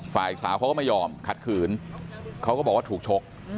ฝ่ายสาวเขาก็ไม่ยอมขัดขืนเขาก็บอกว่าถูกชก